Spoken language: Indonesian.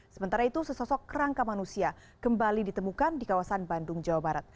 sementara itu sesosok kerangka manusia kembali ditemukan di kawasan bandung jawa barat